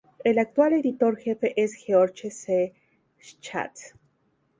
El actual Editor-Jefe es George C. Schatz.